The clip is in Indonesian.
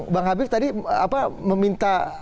bang habib tadi meminta